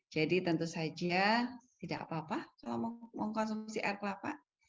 jadi tentu saja tidak apa apa kalau mau konsumsi air kelapa